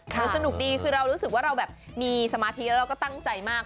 คือสนุกดีคือเรารู้สึกว่าเราแบบมีสมาธิแล้วเราก็ตั้งใจมาก